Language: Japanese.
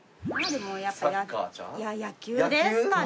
やっぱり野球ですかね